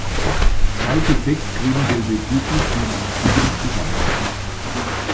Zwei bis sechs creme-gelbe Blüten stehen in Zymen zusammen.